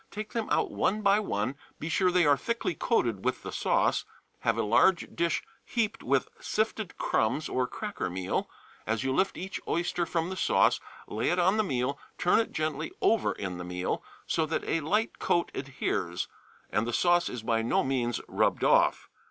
Take them out one by one; be sure they are thickly coated with the sauce; have a large dish heaped with sifted crumbs or cracker meal; as you lift each oyster from the sauce lay it on the meal, turn it gently over in the meal, so that a light coat adheres, and the sauce is by no means rubbed off.